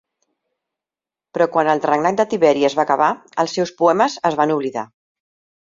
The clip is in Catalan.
Però quan el regnat de Tiberi es va acabar, els seus poemes es van oblidar.